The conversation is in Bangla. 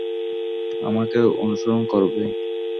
আমাকে অনুসরণ করবে।